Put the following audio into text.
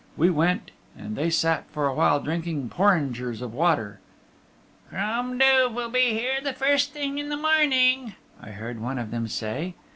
We went, and they sat for a while drinking porringers of water. "Crom Duv will be here the first thing in the morning," I heard one of them say.